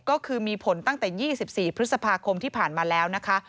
ก็คือมีผลตั้งแต่๒๔พฤษภาคมที่ผ่านมาแล้วนะคะ